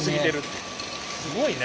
すごいね。